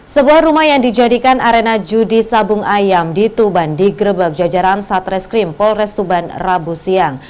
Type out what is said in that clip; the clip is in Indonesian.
sebuah rumah yang dijadikan arena judi sabung ayam di tuban digrebek jajaran satreskrim polres tuban rabu siang